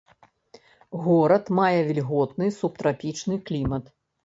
Горад мае вільготны субтрапічны клімат.